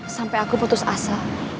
sampai aku putus asa